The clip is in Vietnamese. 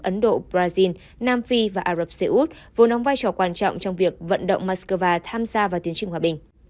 ấn độ brazil nam phi và ả rập xê út vốn vai trò quan trọng trong việc vận động moscow tham gia vào tiến trình hòa bình